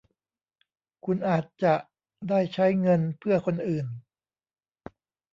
คุณอาจจะได้ใช้เงินเพื่อคนอื่น